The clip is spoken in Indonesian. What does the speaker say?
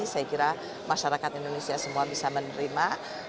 saya kira masyarakat indonesia semua bisa menerima